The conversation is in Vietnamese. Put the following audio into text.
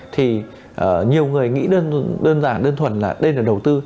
thì nhiều người nghĩ đơn giản đơn thuần là đây là đầu tư